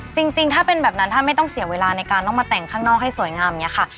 จริงถ้าเป็นแบบนั้นถ้าไม่ต้องเสียเวลาในการต้องมาแต่งข้างนอกให้สวยงามอย่างนี้ค่ะ